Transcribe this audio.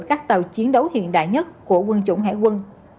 các tàu chiến đấu hiện đại nhất của quân chủng hải quân